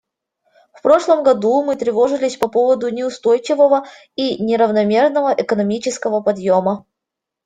В прошлом году мы тревожились по поводу неустойчивого и неравномерного экономического подъема.